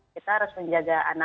kita harus menjaga anak